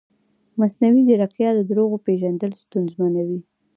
مصنوعي ځیرکتیا د دروغو پېژندل ستونزمنوي.